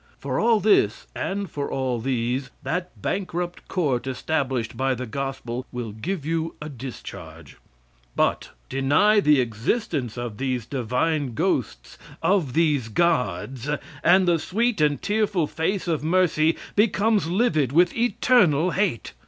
For all this, and for all these, that bankrupt court established by the gospel, will give you a discharge; but deny the existence of these divine ghosts, of these gods, and the sweet and tearful face of Mercy becomes livid with eternal hate.